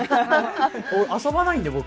遊ばないんで僕。